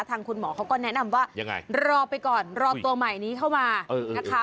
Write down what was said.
ทางคุณหมอเขาก็แนะนำว่ายังไงรอไปก่อนรอตัวใหม่นี้เข้ามานะคะ